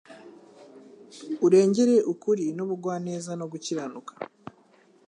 Urengere ukuri n ubugwaneza no gukiranuka